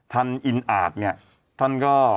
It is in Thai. อินอาจเนี่ยท่านก็